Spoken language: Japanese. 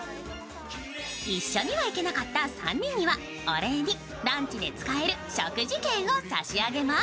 一緒には行けなかった３人にはお礼にランチで使える食事券を差し上げます。